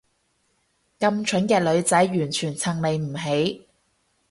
咁蠢嘅女仔完全襯你唔起